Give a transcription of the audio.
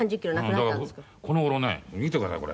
だからこの頃ね見てくださいこれ。